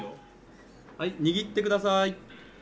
はい握ってください。